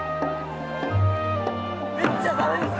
めっちゃ寒いです、